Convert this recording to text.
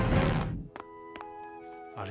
あれ？